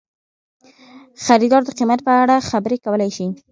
خریدار د قیمت په اړه خبرې کولی شي.